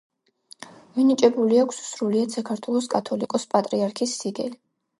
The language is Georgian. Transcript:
მინიჭებული აქვს სრულიად საქართველოს კათოლიკოს-პატრიარქის სიგელი.